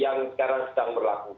yang sekarang sedang berlaku